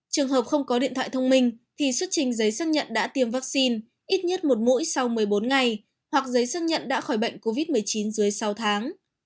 trường hợp không có điện thoại thông minh thì xuất trình giấy xác nhận đã tiêm vaccine ít nhất một mũi sau một mươi bốn ngày hoặc giấy xác nhận đã khỏi bệnh covid một mươi chín dưới sáu tháng